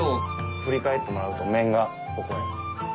振り返ってもらうと面がここへ。